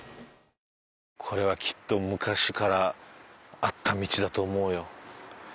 これはきっと昔からあった道だと思うよ。